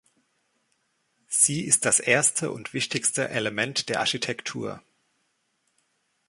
Sie ist das erste und wichtigste Element der Architektur.